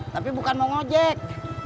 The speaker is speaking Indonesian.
tapi bukan mau ngojek